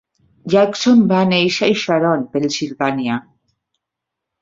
Jackson va néixer a Sharon, Pennsilvània.